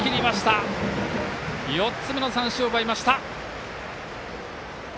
４つ目の三振を奪いました。